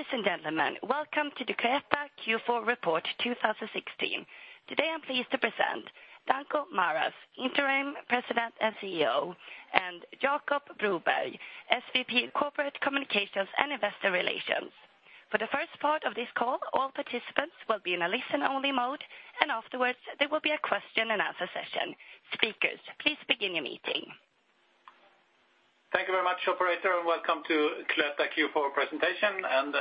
Ladies and gentlemen, welcome to the Cloetta Q4 Report 2016. Today, I'm pleased to present Danko Maras, Interim President and CEO, and Jacob Broberg, SVP Corporate Communications and Investor Relations. For the first part of this call, all participants will be in a listen-only mode, and afterwards, there will be a question-and-answer session. Speakers, please begin your meeting. Thank you very much, operator, and welcome to Cloetta Q4 presentation. As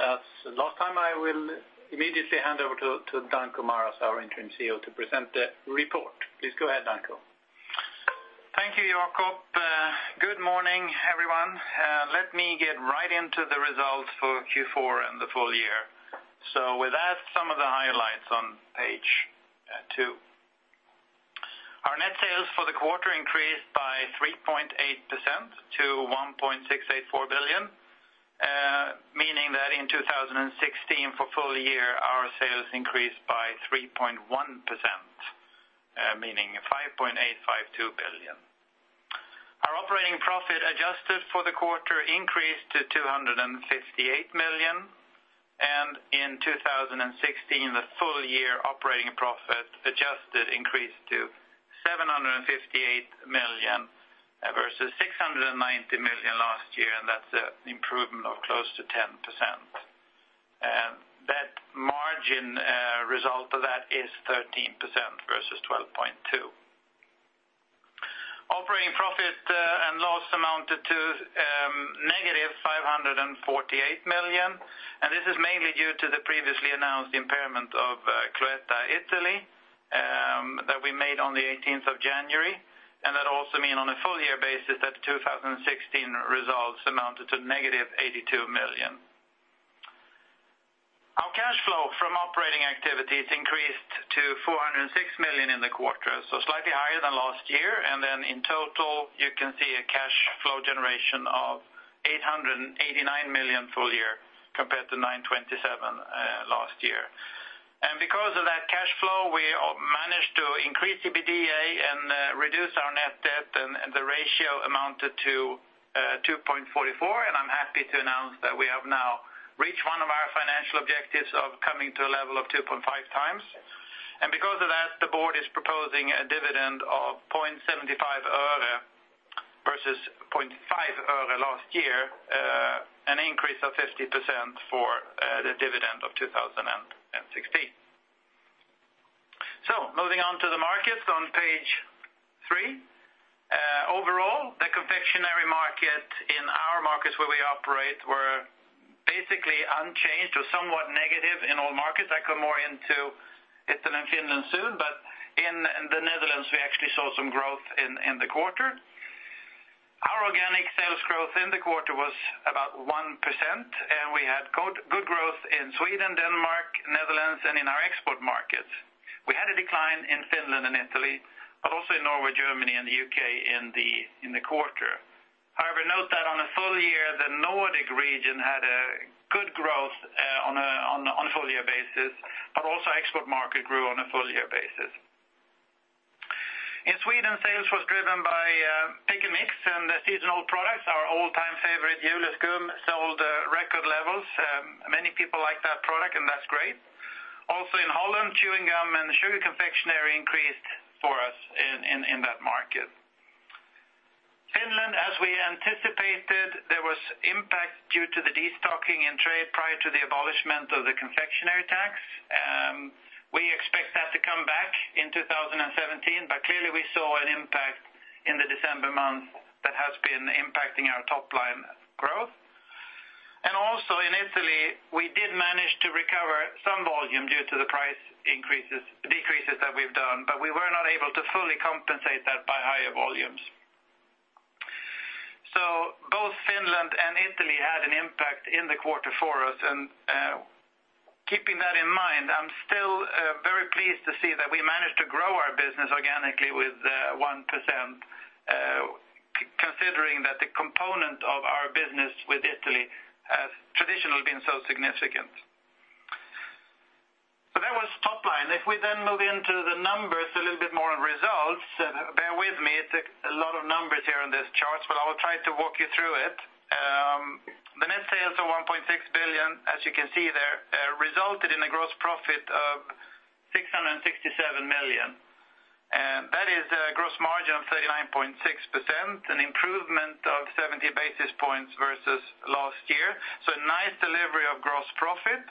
last time, I will immediately hand over to Danko Maras, our interim CEO, to present the report. Please go ahead, Danko. Thank you, Jacob. Good morning, everyone. Let me get right into the results for Q4 and the full year. So with that, some of the highlights on page two. Our net sales for the quarter increased by 3.8% to 1.684 billion, meaning that in 2016, for full year, our sales increased by 3.1%, meaning 5.852 billion. Our operating profit, adjusted for the quarter, increased to 258 million, and in 2016, the full year operating profit, adjusted, increased to 758 million versus 690 million last year, and that's an improvement of close to 10%. That margin, result of that is 13% versus 12.2%. Operating profit and loss amounted to negative 548 million, and this is mainly due to the previously announced impairment of Cloetta Italy that we made on the 18th of January. That also mean on a full year basis, that 2016 results amounted to negative 82 million. Our cash flow from operating activities increased to 406 million in the quarter, so slightly higher than last year. Then in total, you can see a cash flow generation of 889 million full year, compared to 927 last year. Because of that cash flow, we managed to increase EBITDA and reduce our net debt, and the ratio amounted to 2.44. I'm happy to announce that we have now reached one of our financial objectives of coming to a level of 2.5x. And because of that, the board is proposing a dividend of 0.75 SEK versus 0.5 SEK last year, an increase of 50% for the dividend of 2016. So moving on to the markets on page three. Overall, the confectionery market in our markets where we operate were basically unchanged or somewhat negative in all markets. I'll come more into Italy and Finland soon, but in the Netherlands, we actually saw some growth in the quarter. Our organic sales growth in the quarter was about 1%, and we had good, good growth in Sweden, Denmark, Netherlands, and in our export markets. We had a decline in Finland and Italy, but also in Norway, Germany, and the U.K. in the quarter. However, note that on a full year, the Nordic region had a good growth, on a full year basis, but also export market grew on a full year basis. In Sweden, sales was driven by pick and mix and the seasonal products. Our all-time favorite, Julskum, sold record levels. Many people like that product, and that's great. Also, in Holland, chewing gum and sugar confectionery increased for us in that market. Finland, as we anticipated, there was impact due to the destocking in trade prior to the abolishment of the confectionery tax. We expect that to come back in 2017, but clearly we saw an impact in the December month that has been impacting our top line growth. And also in Italy, we did manage to recover some volume due to the price increases, decreases that we've done, but we were not able to fully compensate that by higher volumes. So both Finland and Italy had an impact in the quarter for us, and keeping that in mind, I'm still very pleased to see that we managed to grow our business organically with 1%, considering that the component of our business with Italy has traditionally been so significant. So that was top line. If we then move into the numbers a little bit more on results, bear with me, it's a lot of numbers here on this chart, but I will try to walk you through it. The net sales are 1.6 billion, as you can see there, resulted in a gross profit of 667 million. That is a gross margin of 39.6%, an improvement of 70 basis points versus last year. So a nice delivery of gross profit.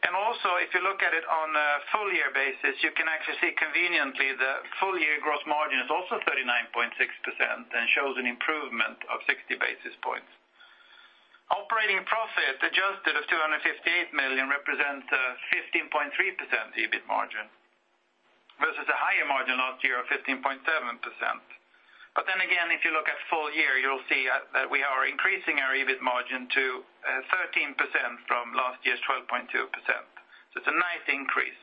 And also, if you look at it on a full year basis, you can actually see conveniently, the full year gross margin is also 39.6% and shows an improvement of 60 basis points. Operating profit, adjusted of 258 million, represents a 15.3% EBIT margin, versus a higher margin last year of 15.7%. But then again, if you look at full year, you'll see that we are increasing our EBIT margin to 13% from last year's 12.2%. So it's a nice increase.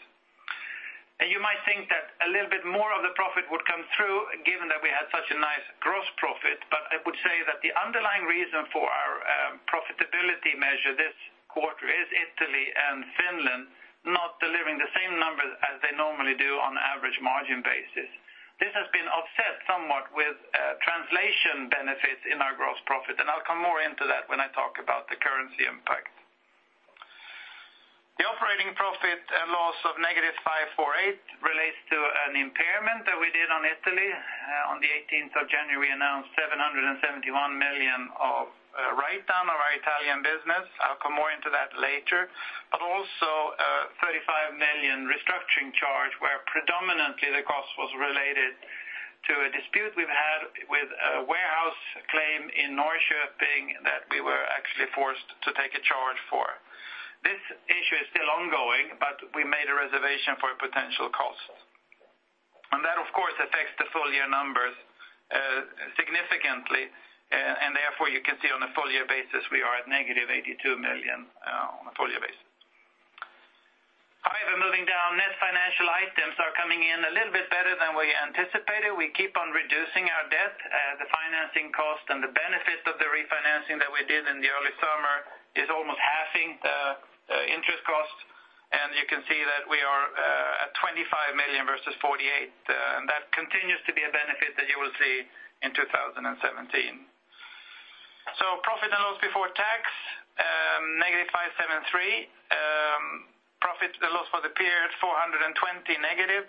And you might think that a little bit more of the profit would come through, given that we had such a nice gross profit, but I would say that the underlying reason for our profitability measure this quarter is Italy and Finland delivering the same numbers as they normally do on average margin basis. This has been offset somewhat with translation benefits in our gross profit, and I'll come more into that when I talk about the currency impact. The operating profit and loss of -548 relates to an impairment that we did on Italy. On the eighteenth of January, we announced 771 million of write-down of our Italian business. I'll come more into that later. But also, 35 million restructuring charge, where predominantly the cost was related to a dispute we've had with a warehouse claim in Norrköping that we were actually forced to take a charge for. This issue is still ongoing, but we made a reservation for a potential cost. That, of course, affects the full-year numbers significantly, and therefore, you can see on a full-year basis, we are at -82 million on a full-year basis. However, moving down, net financial items are coming in a little bit better than we anticipated. We keep on reducing our debt. The financing cost and the benefit of the refinancing that we did in the early summer is almost halving the interest costs, and you can see that we are at 25 million versus 48 million. And that continues to be a benefit that you will see in 2017. So profit and loss before tax, -573. Profit loss for the period, -420,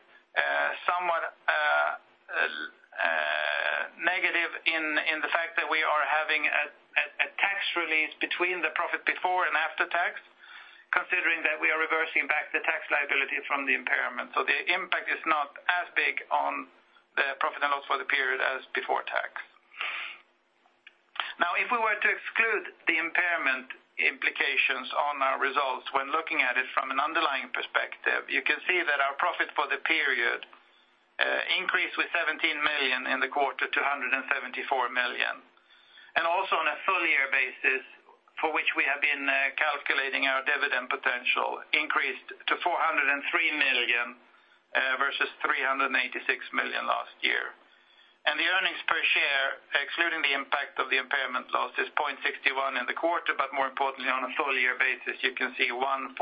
somewhat negative in the fact that we are having a tax release between the profit before and after tax, considering that we are reversing back the tax liability from the impairment. So the impact is not as big on the profit and loss for the period as before tax. Now, if we were to exclude the impairment implications on our results when looking at it from an underlying perspective, you can see that our profit for the period increased with 17 million in the quarter to 174 million. And also on a full-year basis, for which we have been calculating our dividend potential, increased to 403 million versus 386 million last year. And the earnings per share, excluding the impact of the impairment loss, is 0.61 in the quarter, but more importantly, on a full-year basis, you can see 1.41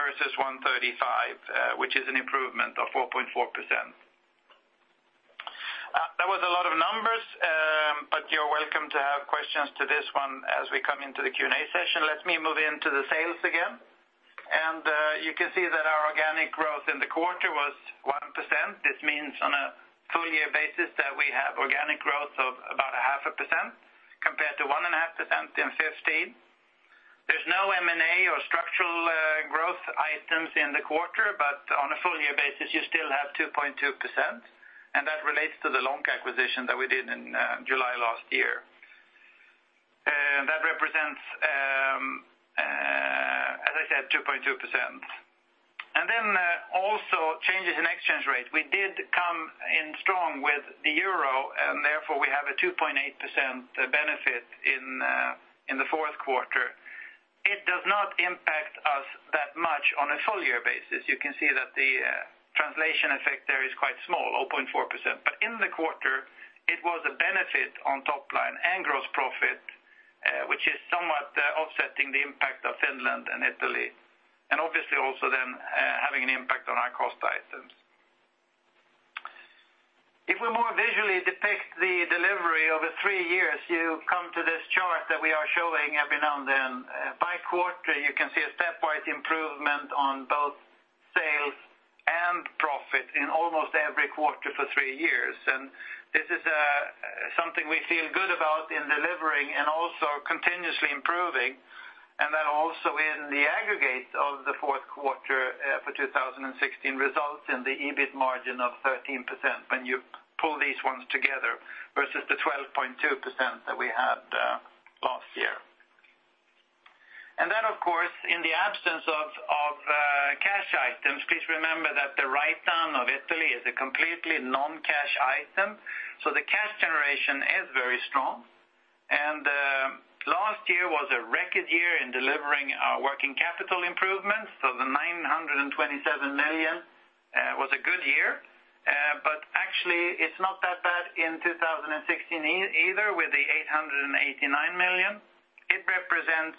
versus 1.35, which is an improvement of 4.4%. That was a lot of numbers, but you're welcome to have questions to this one as we come into the Q&A session. Let me move into the sales again. You can see that our organic growth in the quarter was 1%. This means on a full-year basis, that we have organic growth of about 0.5% compared to 1.5% in 2015. There's no M&A or structural growth items in the quarter, but on a full-year basis, you still have 2.2%, and that relates to the Lonka acquisition that we did in July last year. That represents, as I said, 2.2%. And then, also changes in exchange rate. We did come in strong with the euro, and therefore, we have a 2.8% benefit in the fourth quarter. It does not impact us that much on a full-year basis. You can see that the translation effect there is quite small, 0.4%. But in the quarter, it was a benefit on top line and gross profit, which is somewhat offsetting the impact of Finland and Italy, and obviously also then, having an impact on our cost items. If we more visually depict the delivery over three years, you come to this chart that we are showing every now and then. By quarter, you can see a stepwise improvement on both sales and profit in almost every quarter for three years. And this is something we feel good about in delivering and also continuously improving, and that also in the aggregate of the fourth quarter, for 2016, results in the EBIT margin of 13% when you pull these ones together, versus the 12.2% that we had, last year. And then, of course, in the absence of cash items, please remember that the write-down of Italy is a completely non-cash item, so the cash generation is very strong. And last year was a record year in delivering our working capital improvements, so the 927 million was a good year. But actually, it's not that bad in 2016 either, with the 889 million. It represents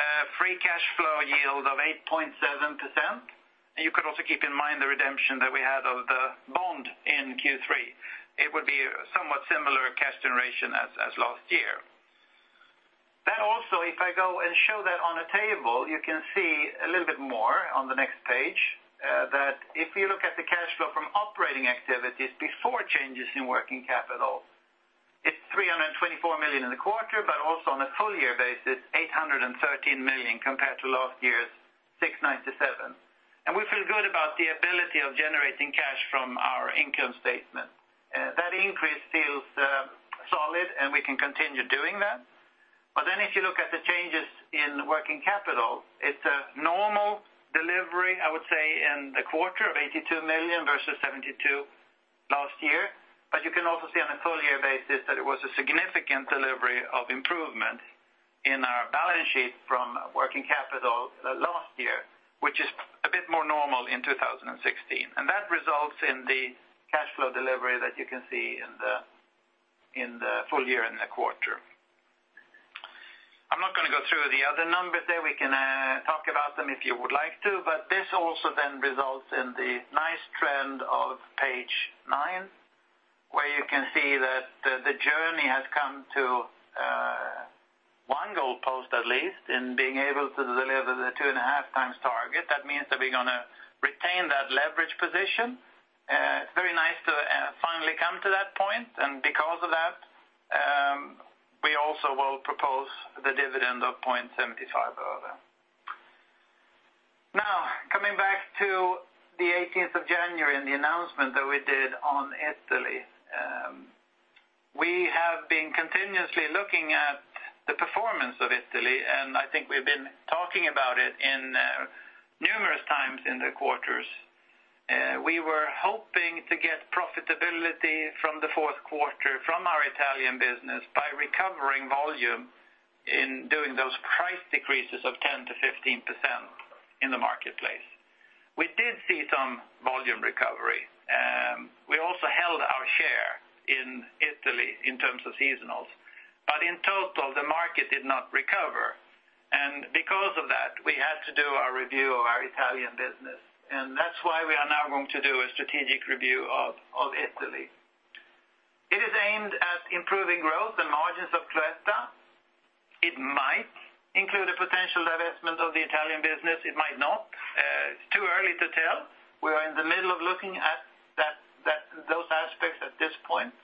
a free cash flow yield of 8.7%. You could also keep in mind the redemption that we had of the bond in Q3. It would be a somewhat similar cash generation as last year. That also, if I go and show that on a table, you can see a little bit more on the next page, that if you look at the cash flow from operating activities before changes in working capital, it's 324 million in the quarter, but also on a full-year basis, 813 million compared to last year's 697 million. And we feel good about the ability of generating cash from our income statement. That increase feels solid, and we can continue doing that. But then if you look at the changes in working capital, it's a normal delivery, I would say, in the quarter of 82 million versus 72 million last year. But you can also see on a full-year basis that it was a significant delivery of improvement in our balance sheet from working capital last year, which is a bit more normal in 2016. And that results in the cash flow delivery that you can see in the full year and the quarter. I'm not going to go through the other numbers there. We can talk about them if you would like to, but this also then results in the nice trend of page nine, where you can see that the journey has come to one goalpost, at least, in being able to deliver the 2.5x target. That means that we're going to retain that leverage position. Very nice to finally come to that point, and because of that, we also will propose the dividend of 0.75. Now, coming back to the eighteenth of January and the announcement that we did on Italy. We have been continuously looking at the performance of Italy, and I think we've been talking about it in numerous times in the quarters. We were hoping to get profitability from the fourth quarter from our Italian business by recovering volume in doing those price decreases of 10%-15% in the marketplace. We did see some volume recovery, we also held our share in Italy in terms of seasonals, but in total, the market did not recover. Because of that, we had to do our review of our Italian business, and that's why we are now going to do a strategic review of Italy. It is aimed at improving growth and margins of Cloetta. It might include a potential divestment of the Italian business. It might not. It's too early to tell. We are in the middle of looking at those aspects at this point.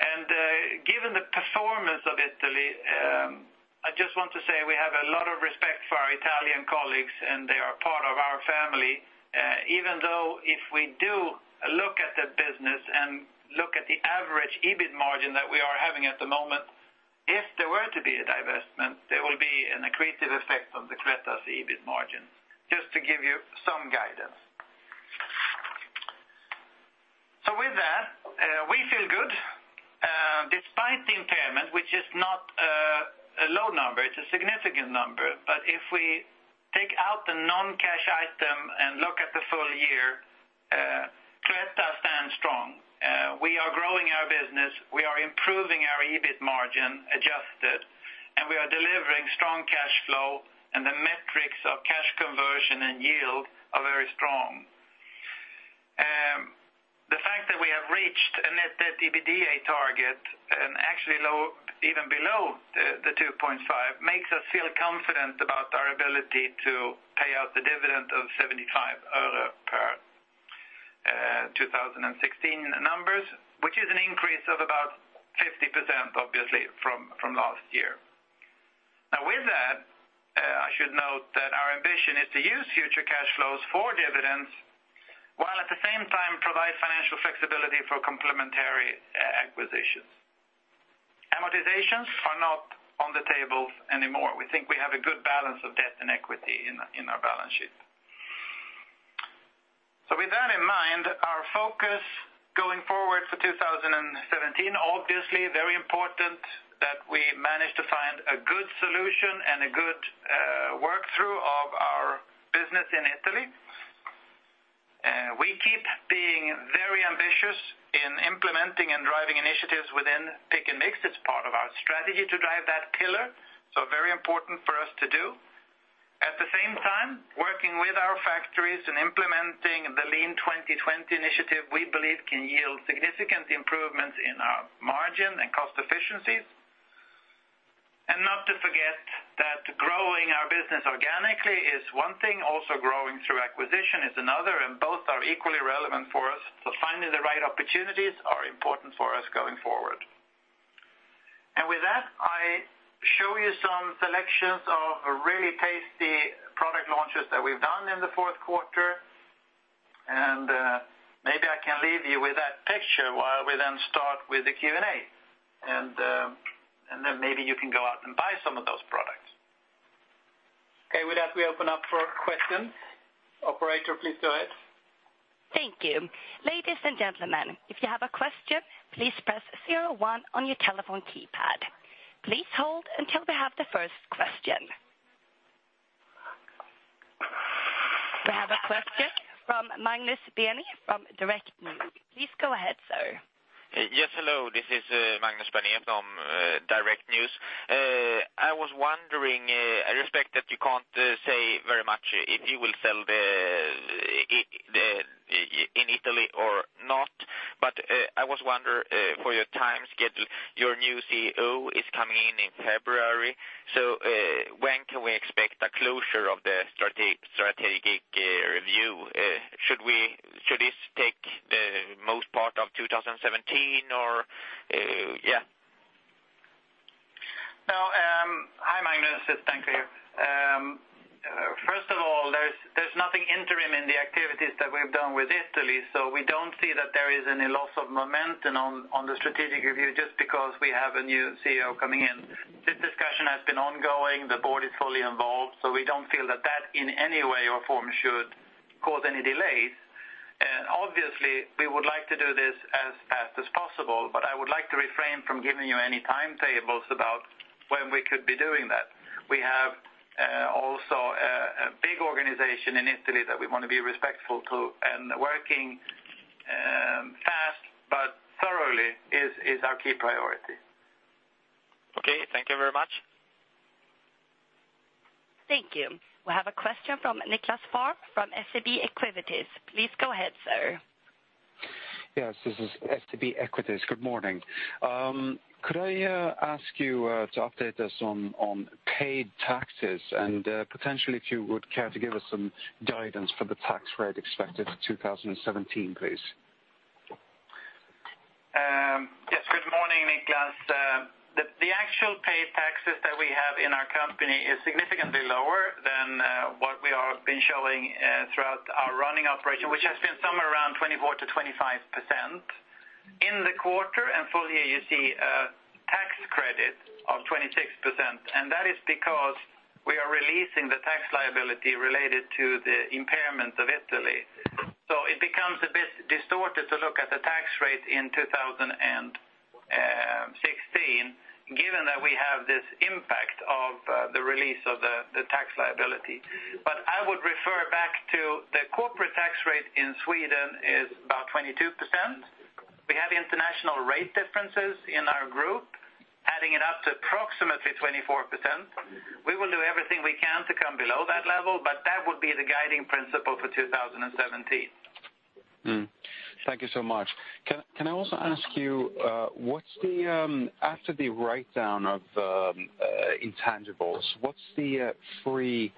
And given the performance of Italy, I just want to say we have a lot of respect for our Italian colleagues, and they are part of our family. Even though if we do look at the business and look at the average EBIT margin that we are having at the moment, if there were to be a divestment, there will be an accretive effect on Cloetta's EBIT margin, just to give you some guidance. So with that, we feel good, despite the impairment, which is not a low number, it's a significant number. But if we take out the non-cash item and look at the full year, Cloetta stands strong. We are growing our business, we are improving our EBIT margin, adjusted, and we are delivering strong cash flow, and the metrics of cash conversion and yield are very strong. The fact that we have reached a net debt EBITDA target, and actually low, even below the 2.5, makes us feel confident about our ability to pay out the dividend of SEK 0.75 per 2016 numbers, which is an increase of about 50%, obviously, from last year. Now with that, I should note that our ambition is to use future cash flows for dividends, while at the same time provide financial flexibility for complementary acquisitions. Amortizations are not on the table anymore. We think we have a good balance of debt and equity in our balance sheet. So with that in mind, our focus going forward for 2017, obviously very important that we manage to find a good solution and a good work-through of our business in Italy. We keep being very ambitious in implementing and driving initiatives within pick-and-mix. It's part of our strategy to drive that pillar, so very important for us to do. At the same time, working with our factories and implementing the Lean 2020 initiative, we believe can yield significant improvements in our margin and cost efficiencies. Not to forget that growing our business organically is one thing, also growing through acquisition is another, and both are equally relevant for us. Finding the right opportunities are important for us going forward. With that, I show you some selections of really tasty product launches that we've done in the fourth quarter, and, maybe I can leave you with that picture while we then start with the Q&A, and, and then maybe you can go out and buy some of those products. Okay, with that, we open up for questions. Operator, please go ahead. Thank you. Ladies and gentlemen, if you have a question, please press zero one on your telephone keypad. Please hold until we have the first question. We have a question from Magnus Bernet from Direct News. Please go ahead, sir. Yes, hello, this is Magnus Bernet from Direct News. I was wondering, I respect that you can't say very much if you will sell the in Italy or not, but I was wondering for your time schedule, your new CEO is coming in February, so when can we expect a closure of the strategic review? Should this take the most part of 2017 or yeah? Now, hi, Magnus, it's Danko here. First of all, there's nothing interim in the activities that we've done with Italy, so we don't see that there is any loss of momentum on the strategic review just because we have a new CEO coming in. This discussion has been ongoing, the board is fully involved, so we don't feel that that in any way or form should cause any delays. And obviously, we would like to do this as fast as possible, but I would like to refrain from giving you any timetables about when we could be doing that. We have also a big organization in Italy that we want to be respectful to, and working, but thoroughly is our key priority. Okay, thank you very much. Thank you. We have a question from Nicklas Fhärm from SEB Equities. Please go ahead, sir. Yes, this is SEB Equities. Good morning. Could I ask you to update us on paid taxes and potentially if you would care to give us some guidance for the tax rate expected for 2017, please? Yes, good morning, Niklas. The actual paid taxes that we have in our company is significantly lower than what we are been showing throughout our running operation, which has been somewhere around 24%-25%. In the quarter and full year, you see a tax credit of 26%, and that is because we are releasing the tax liability related to the impairment of Italy. So it becomes a bit distorted to look at the tax rate in 2016, given that we have this impact of the release of the tax liability. But I would refer back to the corporate tax rate in Sweden is about 22%. We have international rate differences in our group, adding it up to approximately 24%. We will do everything we can to come below that level, but that would be the guiding principle for 2017. Thank you so much. Can I also ask you, after the write-down of intangibles, what's the free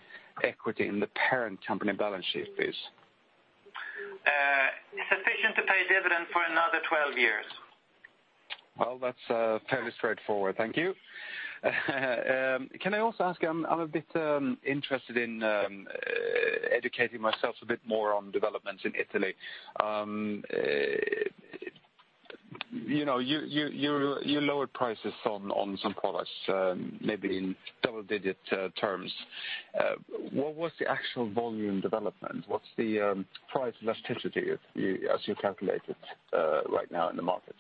equity in the parent company balance sheet, please? Sufficient to pay dividend for another 12 years. Well, that's fairly straightforward. Thank you. Can I also ask, I'm a bit interested in educating myself a bit more on developments in Italy. You know, you lowered prices on some products, maybe in double-digit terms. What was the actual volume development? What's the price elasticity as you calculate it right now in the market?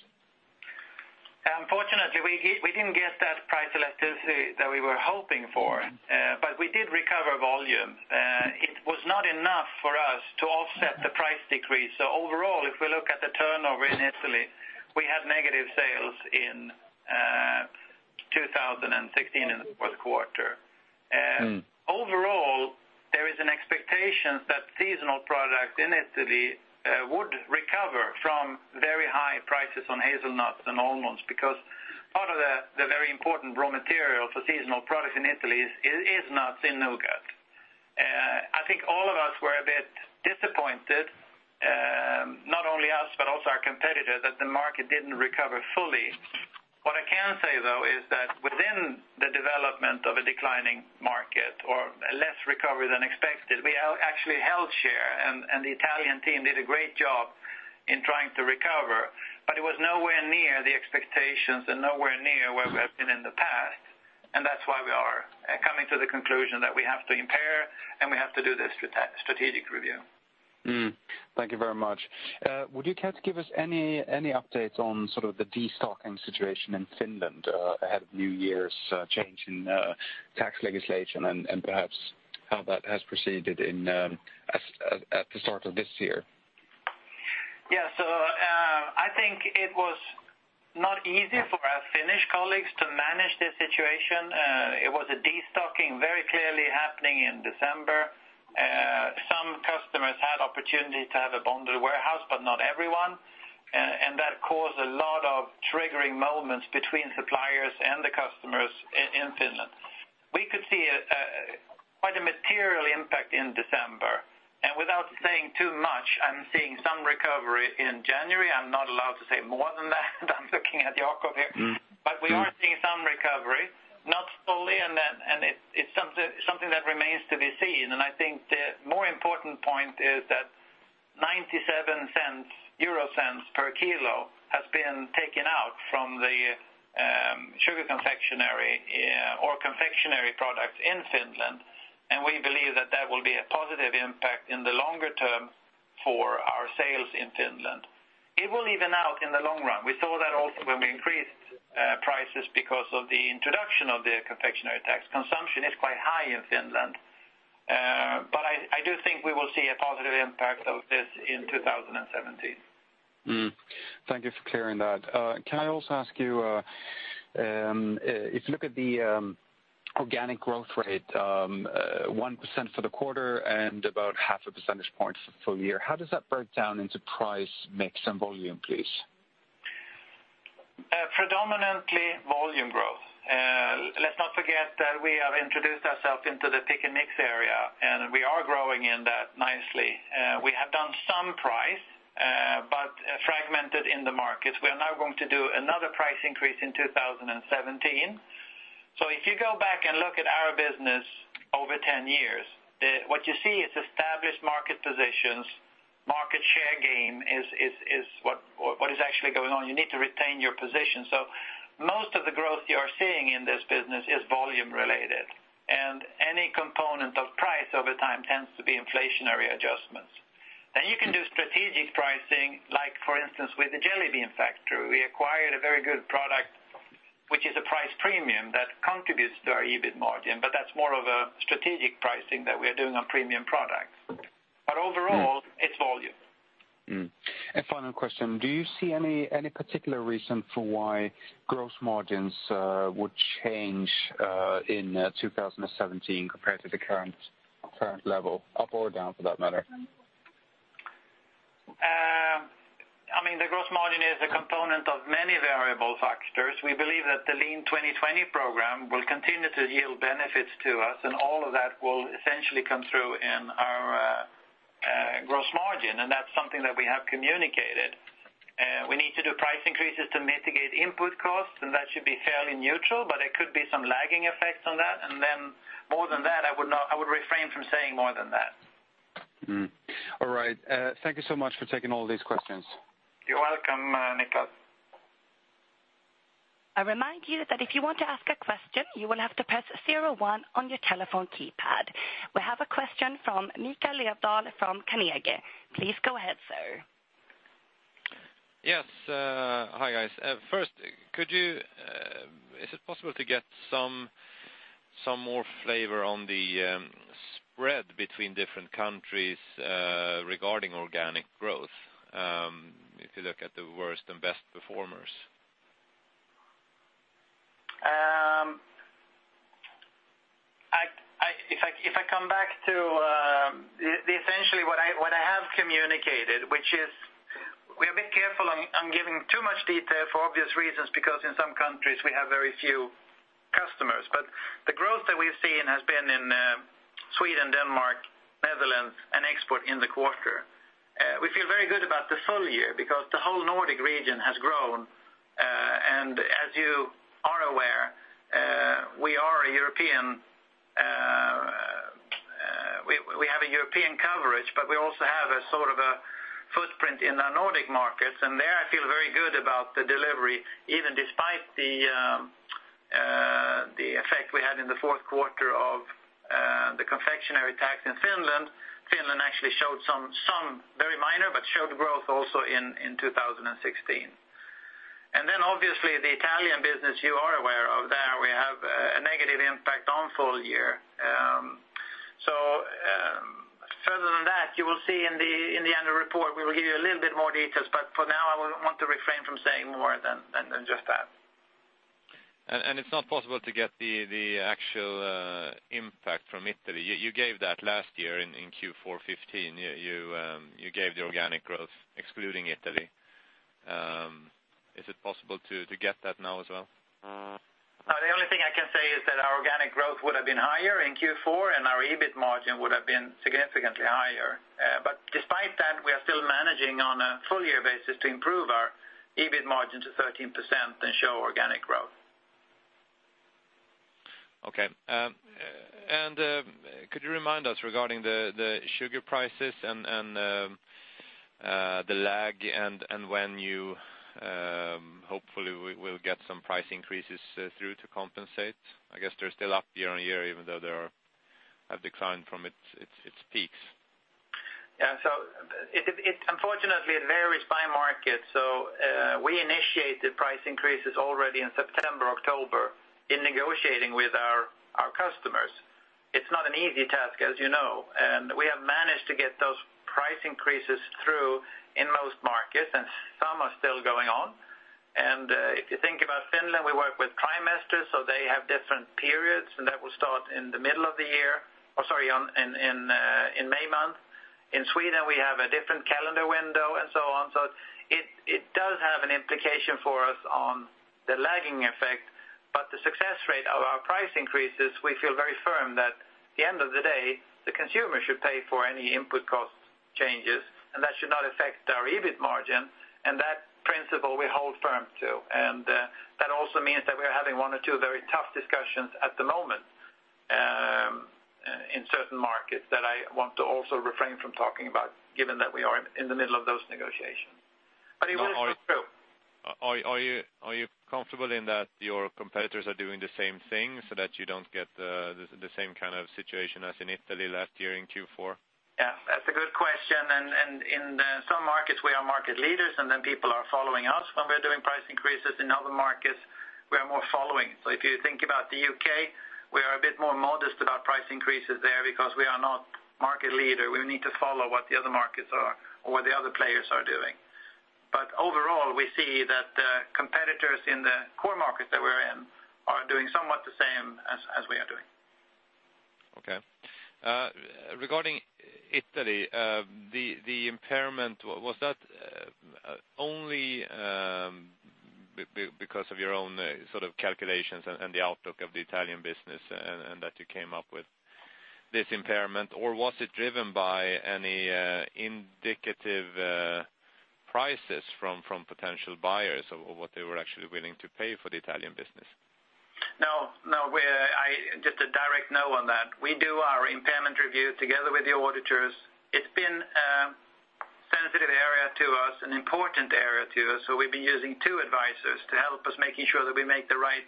Unfortunately, we didn't get that price elasticity that we were hoping for, but we did recover volume. It was not enough for us to offset the price decrease. Overall, if we look at the turnover in Italy, we had negative sales in 2016 in the fourth quarter. Mm. Overall, there is an expectation that seasonal product in Italy would recover from very high prices on hazelnuts and almonds, because part of the very important raw material for seasonal products in Italy is nuts and nougat. I think all of us were a bit disappointed, not only us, but also our competitor, that the market didn't recover fully. What I can say, though, is that within the development of a declining market or less recovery than expected, we actually held share, and the Italian team did a great job in trying to recover. But it was nowhere near the expectations and nowhere near where we have been in the past, and that's why we are coming to the conclusion that we have to impair, and we have to do this strategic review. Thank you very much. Would you care to give us any, any updates on sort of the destocking situation in Finland ahead of New Year's change in tax legislation, and perhaps how that has proceeded at the start of this year? Yeah. So, I think it was not easy for our Finnish colleagues to manage this situation. It was a destocking very clearly happening in December. Some customers had opportunity to have a bundled warehouse, but not everyone, and that caused a lot of triggering moments between suppliers and the customers in Finland. We could see quite a material impact in December. And without saying too much, I'm seeing some recovery in January. I'm not allowed to say more than that. I'm looking at Jacob here. Mm-hmm. But we are seeing some recovery, not fully, and it's something that remains to be seen. And I think the more important point is that 97 euro cents per kilo has been taken out from the sugar confectionery or confectionery products in Finland, and we believe that that will be a positive impact in the longer term for our sales in Finland. It will even out in the long run. We saw that also when we increased prices because of the introduction of the confectionery tax. Consumption is quite high in Finland, but I do think we will see a positive impact of this in 2017. Thank you for clearing that. Can I also ask you, if you look at the organic growth rate, 1% for the quarter and about half a percentage point for full year, how does that break down into price mix and volume, please? Predominantly volume growth. Let's not forget that we have introduced ourselves into the pick-and-mix area, and we are growing in that nicely. We have done some price, but fragmented in the markets. We are now going to do another price increase in 2017. So if you go back and look at our business over 10 years, what you see is established market positions, market share gain is what is actually going on. You need to retain your position. So most of the growth you are seeing in this business is volume related, and any component of price over time tends to be inflationary adjustments. Now, you can do strategic pricing, like, for instance, with the Jelly Bean Factory. We acquired a very good product-... price premium that contributes to our EBIT margin, but that's more of a strategic pricing that we are doing on premium products. But overall, it's volume. Final question, do you see any particular reason for why gross margins would change in 2017 compared to the current level, up or down for that matter? I mean, the gross margin is a component of many variable factors. We believe that the Lean 2020 program will continue to yield benefits to us, and all of that will essentially come through in our gross margin, and that's something that we have communicated. We need to do price increases to mitigate input costs, and that should be fairly neutral, but there could be some lagging effects on that. And then more than that, I would not. I would refrain from saying more than that. All right, thank you so much for taking all these questions. You're welcome, Nicklas. I remind you that if you want to ask a question, you will have to press zero one on your telephone keypad. We have a question from Mikael Löfdahl from Carnegie. Please go ahead, sir. Yes, hi, guys. First, could you, is it possible to get some more flavor on the spread between different countries, regarding organic growth, if you look at the worst and best performers? If I come back to essentially what I have communicated, which is we are a bit careful on giving too much detail for obvious reasons, because in some countries we have very few customers. But the growth that we've seen has been in Sweden, Denmark, Netherlands, and export in the quarter. We feel very good about the full year because the whole Nordic region has grown. And as you are aware, we are a European, we have a European coverage, but we also have a sort of a footprint in the Nordic markets. And there, I feel very good about the delivery, even despite the effect we had in the fourth quarter of the confectionery tax in Finland. Finland actually showed some very minor, but showed growth also in 2016. Then obviously, the Italian business, you are aware of there, we have a negative impact on full year. So, further than that, you will see in the annual report, we will give you a little bit more details, but for now, I would want to refrain from saying more than just that. It's not possible to get the actual impact from Italy. You gave that last year in Q4 2015. You gave the organic growth excluding Italy. Is it possible to get that now as well? The only thing I can say is that our organic growth would have been higher in Q4, and our EBIT margin would have been significantly higher. But despite that, we are still managing on a full year basis to improve our EBIT margin to 13% and show organic growth. Okay. And could you remind us regarding the sugar prices and the lag and when you hopefully we'll get some price increases through to compensate? I guess they're still up year on year, even though they have declined from its peaks. Yeah, so it unfortunately varies by market. So we initiate the price increases already in September, October, in negotiating with our customers. It's not an easy task, as you know, and we have managed to get those price increases through in most markets, and some are still going on. And if you think about Finland, we work with trimesters, so they have different periods, and that will start in the middle of the year, or sorry, in May month. In Sweden, we have a different calendar window, and so on. So it does have an implication for us on the lagging effect, but the success rate of our price increases, we feel very firm that at the end of the day, the consumer should pay for any input cost changes, and that should not affect our EBIT margin, and that principle we hold firm to. And that also means that we are having one or two very tough discussions at the moment in certain markets that I want to also refrain from talking about, given that we are in the middle of those negotiations. But it is true. Are you comfortable in that your competitors are doing the same thing so that you don't get the same kind of situation as in Italy last year in Q4? Yeah, that's a good question. And in some markets, we are market leaders, and then people are following us when we're doing price increases. In other markets, we are more following. So if you think about the U.K., we are a bit more modest about price increases there because we are not market leader. We need to follow what the other markets are or what the other players are doing. But overall, we see that competitors in the core markets that we're in are doing somewhat the same as we are doing. Okay. Regarding Italy, the impairment, was that only because of your own sort of calculations and the outlook of the Italian business, and that you came up with this impairment? Or was it driven by any indicative prices from potential buyers of what they were actually willing to pay for the Italian business? No, no, we're just a direct no on that. We do our impairment review together with the auditors. It's been a sensitive area to us, an important area to us, so we've been using two advisors to help us making sure that we make the right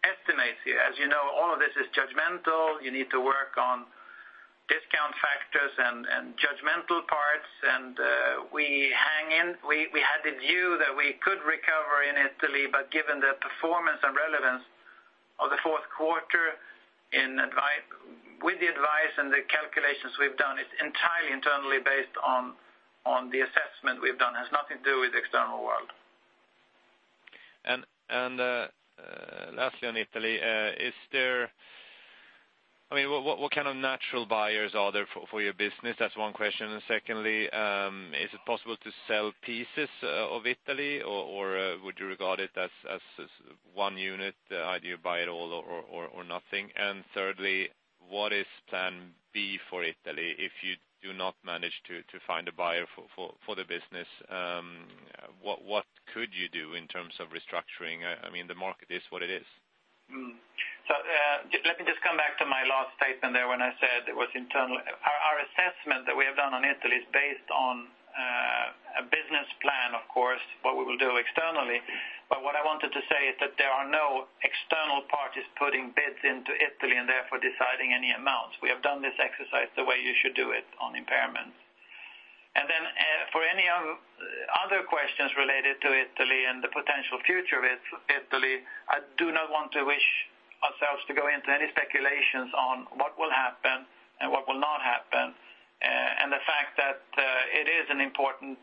estimates here. As you know, all of this is judgmental. You need to work on discount factors and judgmental parts, and we hang in. We had the view that we could recover in Italy, but given the performance and relevance of the fourth quarter in advice with the advice and the calculations we've done, it's entirely internally based on the assessment we've done. It has nothing to do with the external world. Lastly, on Italy, is there—I mean, what kind of natural buyers are there for your business? That's one question. Secondly, is it possible to sell pieces of Italy or would you regard it as one unit, either you buy it all or nothing? Thirdly, what is plan B for Italy if you do not manage to find a buyer for the business, what could you do in terms of restructuring? I mean, the market is what it is. Mm-hmm. So, let me just come back to my last statement there when I said it was internal. Our assessment that we have done on Italy is based on a business plan, of course, what we will do externally. But what I wanted to say is that there are no external parties putting bids into Italy and therefore deciding any amounts. We have done this exercise the way you should do it on impairment. And then, for any other, other questions related to Italy and the potential future of Italy, I do not want to wish ourselves to go into any speculations on what will happen and what will not happen. The fact that it is an important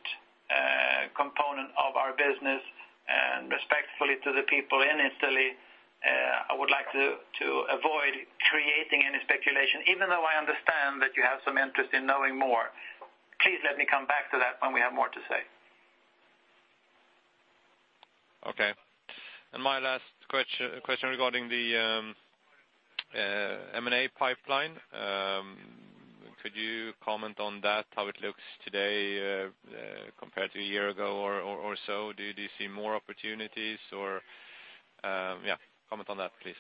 component of our business, and respectfully to the people in Italy, I would like to avoid creating any speculation, even though I understand that you have some interest in knowing more. Please let me come back to that when we have more to say. Okay. And my last question regarding the M&A pipeline, could you comment on that, how it looks today, compared to a year ago or so? Do you see more opportunities or, yeah, comment on that, please.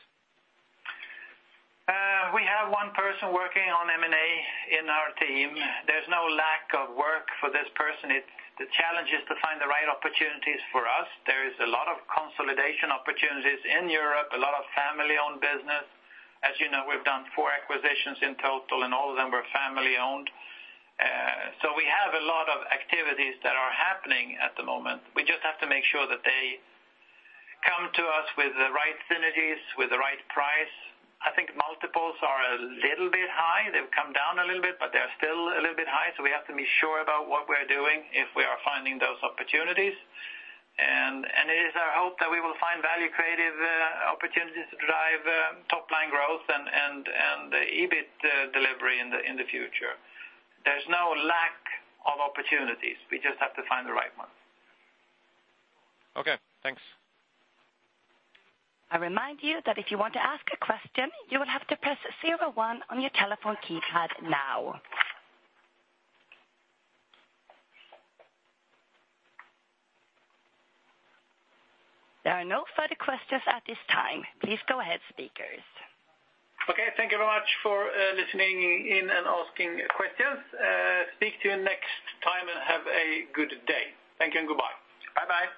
We have one person working on M&A in our team. There's no lack of work for this person. The challenge is to find the right opportunities for us. There is a lot of consolidation opportunities in Europe, a lot of family-owned business. As you know, we've done four acquisitions in total, and all of them were family-owned. So we have a lot of activities that are happening at the moment. We just have to make sure that they come to us with the right synergies, with the right price. I think multiples are a little bit high. They've come down a little bit, but they're still a little bit high, so we have to be sure about what we're doing if we are finding those opportunities. It is our hope that we will find value-creative opportunities to drive top line growth and EBIT delivery in the future. There's no lack of opportunities. We just have to find the right one. Okay, thanks. I remind you that if you want to ask a question, you will have to press zero-one on your telephone keypad now. There are no further questions at this time. Please go ahead, speakers. Okay, thank you very much for listening in and asking questions. Speak to you next time, and have a good day. Thank you and goodbye. Bye-bye.